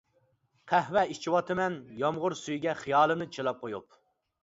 قەھۋە ئىچىۋاتىمەن، يامغۇر سۈيىگە خىيالىمنى چىلاپ قويۇپ.